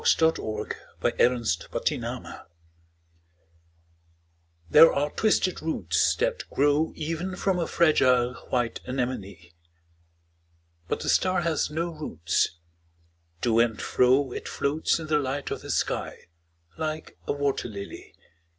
DiqllzodbvCoOgle STAR SONG These are twisted roots that grow Even from a fragile white anemone. 'But a star has no roots : to and fro It floats in the light of the sky, like a wat«r ]ily.